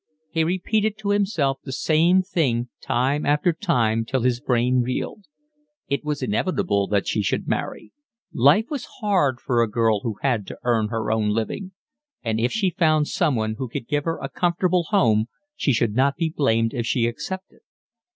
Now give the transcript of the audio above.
He repeated to himself the same thing time after time till his brain reeled. It was inevitable that she should marry: life was hard for a girl who had to earn her own living; and if she found someone who could give her a comfortable home she should not be blamed if she accepted.